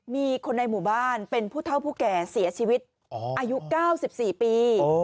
มีคนในหมู่บ้านเป็นผู้เท่าผู้แก่เสียชีวิตอายุ๙๔ปี